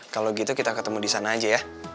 kalau gitu kita ketemu di sana aja ya